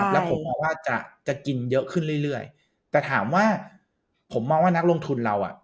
แล้วผมมองว่าจะจะกินเยอะขึ้นเรื่อยเรื่อยแต่ถามว่าผมมองว่านักลงทุนเราอ่ะ